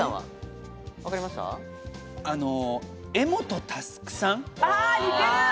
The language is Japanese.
柄本佑さん？